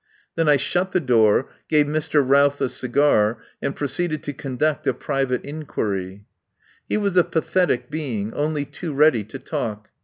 Then I shut the door, gave Mr. Routh a cigar, and proceeded to conduct a private inquiry. He was a pathetic being, only too ready to talk.